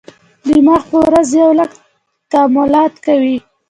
دماغ په ورځ یو لک تعاملات کوي.